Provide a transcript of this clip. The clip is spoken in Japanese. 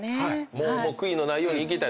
もう悔いのないようにいきたい。